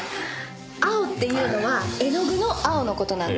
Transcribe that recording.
青っていうのは絵の具の青の事なんです。